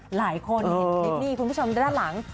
หลายคนเห็นคุณผู้ชมด้านหลัง